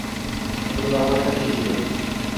ফটোগ্রাফারটা কী ছিল?